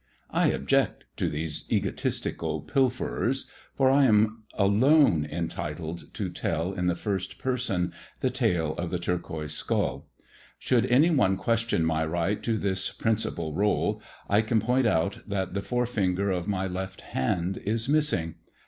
I object to these egotistical . pilferers, for I am alone entitled to tell, in the first person, the tale of the turquoise skull. Should any one question my right to this principal rdle, I can point out that the fore finger of my left hand is missing.